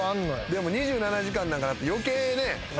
でも『２７時間』なんか余計ね。